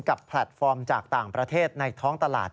กับละคันจากต่างประเทศในท้องตลาด